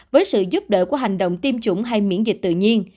với sự giúp đỡ của hành động tiêm chủng hay miễn dịch tự nhiên